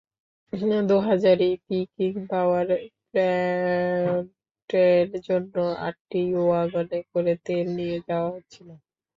Dohazari peaking power প্ল্যান্টের জন্য আটটি ওয়াগনে করে তেল নিয়ে যাওয়া হচ্ছিল।